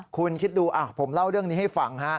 คุณคิดดูผมเล่าเรื่องนี้ให้ฟังฮะ